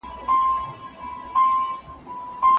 دي؟